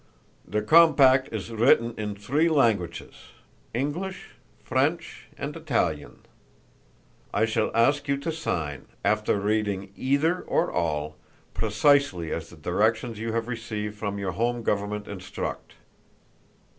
"The compact is written in three languages English, French and Italian. I shall ask you to sign, after reading either or all, precisely as the directions you have received from your home government instruct.